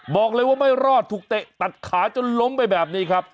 บอกเลยว่าไม่รอดถูกเตะตัดขาจนล้มไปแบบนี้ครับ